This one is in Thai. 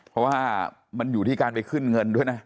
เพราะว่ามันอยู่ที่การไปขึ้นเงินด้วยนะ